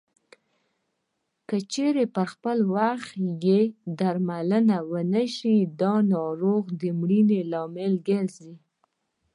که چېرې پر خپل وخت یې درملنه ونشي د ناروغ د مړینې لامل ګرځي.